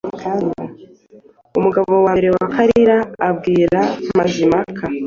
Umugabo wa mbere wa Kalira abwira Mazimpaka,